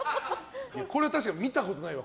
これ、確かに見たことないわ。